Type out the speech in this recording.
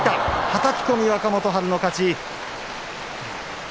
はたき込み若元春の勝ち。